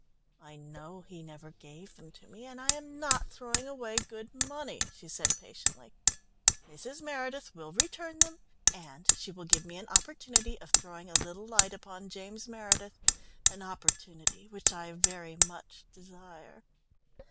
"I know he never gave them to me, and I am not throwing away good money," she said patiently. "Mrs. Meredith will return them, and she will give me an opportunity of throwing a little light upon James Meredith, an opportunity which I very much desire."